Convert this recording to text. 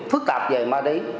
phức tạp về ma túy